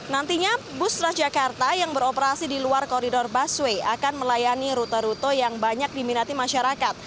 nantinya bus transjakarta yang beroperasi di luar koridor busway akan melayani rute rute yang banyak diminati masyarakat